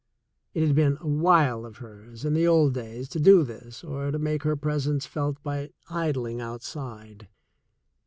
It had been a wile of hers in the old days to do this or to make her presence felt by idling outside.